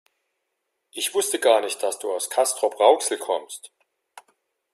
Ich wusste gar nicht, dass du aus Castrop-Rauxel kommst